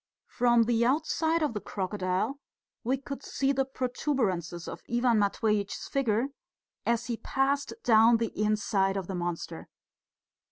From the outside of the crocodile we could see the protuberances of Ivan Matveitch's figure as he passed down the inside of the monster.